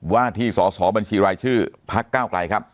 ว่าที่สอสอบัญชีรายชื่อพักเก้าไกลครับ